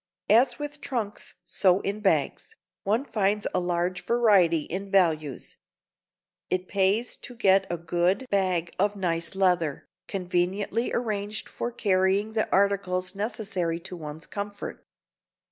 As with trunks, so in bags, one finds a large variety in values. It pays to get a good bag of nice leather, conveniently arranged for carrying the articles necessary to one's comfort.